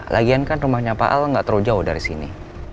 lagian kan rumahnya pak al nggak terlalu jauh dari sini